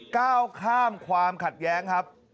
ก้าวข้ามความขัดแย้งครับ